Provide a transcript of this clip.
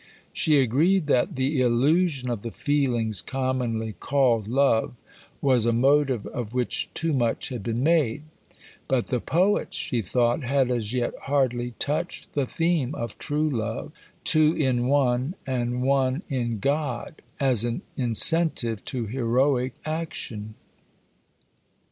She agreed that "the illusion of the feelings commonly called love" was a motive of which too much had been made; but the poets, she thought, had as yet hardly touched the theme of true love "two in one, and one in God" as an incentive to heroic action.